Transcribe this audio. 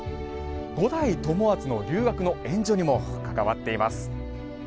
五代友厚の留学の援助にも関わっています。